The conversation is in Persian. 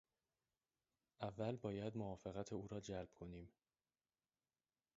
اول باید موافقت او را جلب کنیم.